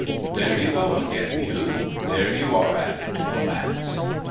There you go again, Youth! There you are at it, Romance!